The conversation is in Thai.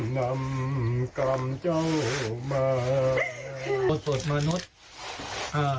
แต่ไม่อยากเป็นอะไรเมื่อถูกเอานะ